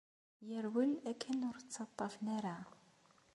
Yerwel akken ur t-ttaṭṭafen ara.